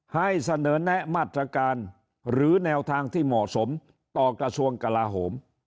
ให้เสนอแนะมาตรการหรือแนวทางที่เหมาะสมต่อกระทรวงกลาโหม